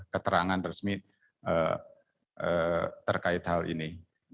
keterangan resmi terkait hal ini